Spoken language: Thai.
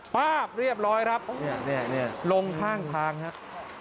ป้าบเรียบร้อยครับลงข้างทางครับ